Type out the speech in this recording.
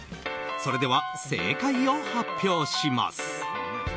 それでは正解を発表します。